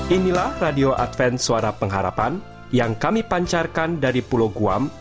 inilah radio adven suara pengharapan yang kami pancarkan dari pulau guam